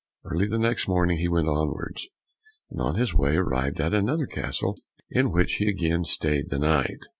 Early the next morning he went onwards, and on his way arrived at another castle in which he again stayed the night.